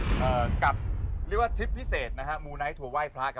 ในช่วงนี้นะครับเราจะไปวิหารกันนะครับแล้วก็เราจะไปพบเจอกับพระอาจารย์สุชาติกันด้วยนะครับ